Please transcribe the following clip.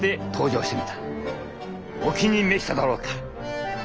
お気に召しただろうか？